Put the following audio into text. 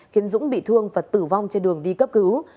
khiến dũng bị thương và tử vong trên đường đi cấp cứu